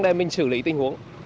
để mình xử lý tình huống